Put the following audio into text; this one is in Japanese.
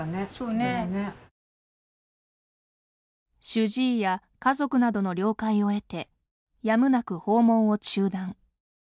主治医や家族などの了解を得てやむなく訪問を中断。